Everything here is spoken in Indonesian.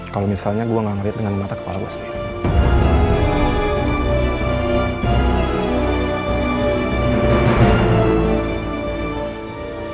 kalau misalnya gue gak ngerit dengan mata kepala gue sebenarnya